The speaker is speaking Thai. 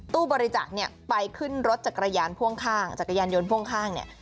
ตู้บริจาคไปขึ้นรถจักรยานพ่วงข้างจักรยานยนต์พ่วงข้าง